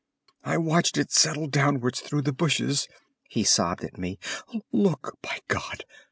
"I watched it settle downwards through the bushes," he sobbed at me. "Look, by God!